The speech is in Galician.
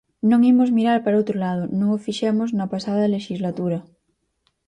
Non imos mirar para outro lado, non o fixemos na pasada lexislatura.